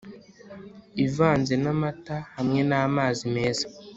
ivanze namata hamwe namazi meza